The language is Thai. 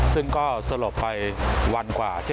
ซึ่งก็สลบไปวันกว่า